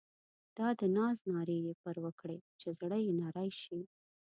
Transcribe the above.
دا د ناز نارې یې پر وکړې چې زړه یې نری شي.